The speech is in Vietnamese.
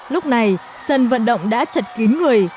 lúc này sân vận động đã chật kín người